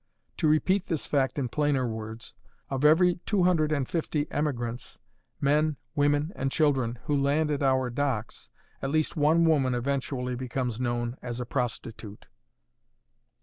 To repeat this fact in plainer words: of every two hundred and fifty emigrants men, women, and children, who land at our docks, at least one woman eventually becomes known as a prostitute.